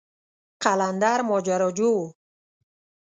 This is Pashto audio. قلندر ماجراجو و.